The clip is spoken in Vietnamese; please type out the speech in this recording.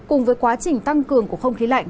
cùng với quá trình tăng cường của không khí lạnh